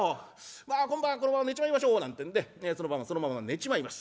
まあ今晩はこのまま寝ちまいましょうなんてんでその晩はそのまま寝ちまいます。